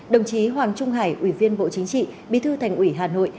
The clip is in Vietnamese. đồng chí hoàng trung hải ủy viên bộ chính trị bí thư thành ủy hà nội